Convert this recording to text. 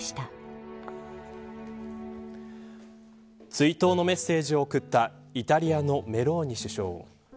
追悼のメッセージを送ったイタリアのメローニ首相。